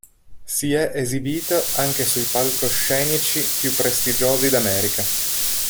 Si è esibito anche sui palcoscenici più prestigiosi d'America.